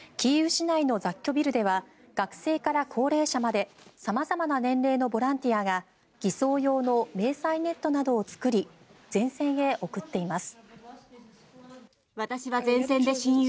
市内の雑居ビルでは学生から高齢者まで様々な年齢のボランティアが偽装用の迷彩ネットなどを作り前線へ送っています。